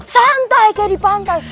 santai kaya di pantai